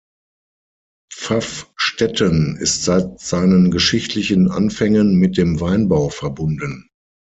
Pfaffstätten ist seit seinen geschichtlichen Anfängen mit dem Weinbau verbunden.